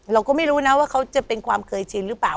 เราก็ไม่รู้นะว่าเขาจะเป็นความเคยชินหรือเปล่า